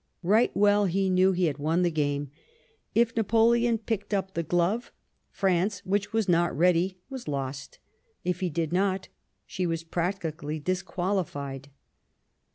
Right well he knew he had won the game. If Napoleon picked up the glove, France, which was not ready, was lost.^; if he did not, she was practically disqualified.